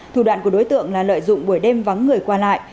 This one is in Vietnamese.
thủ đoạn của đối tượng là lợi dụng buổi đêm vắng người qua lại